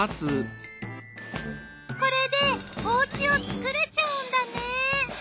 これでおうちを作れちゃうんだね。